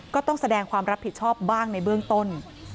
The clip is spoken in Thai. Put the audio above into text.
ก็ต้องแสดงความรับผิดชอบบ้างในเบื้องต้น